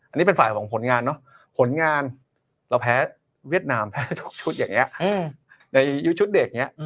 อันนี้เป็นฝ่ายของผลงานเนอะผลงานเราแพ้เวียดนามแพ้ทุกชุดอย่างนี้ในยุคชุดเด็กอย่างนี้